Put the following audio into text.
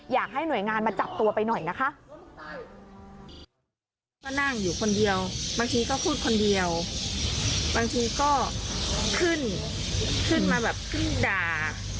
อยากให้หน่วยงานมาจับตัวไปหน่อยนะคะ